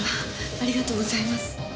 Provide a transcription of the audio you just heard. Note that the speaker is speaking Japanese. ありがとうございます。